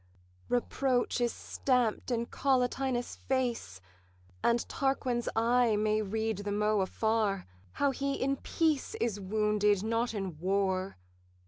Reproach is stamp'd in Collatinus' face, And Tarquin's eye may read the mot afar, How he in peace is wounded, not in war.